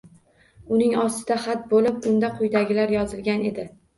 Uning ostida xat bo`lib unda quyidagilar yozilgan edi